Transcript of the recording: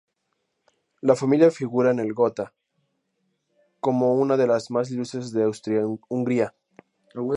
La familia figura en el "Gotha" como una de las más ilustres de Austria-Hungría.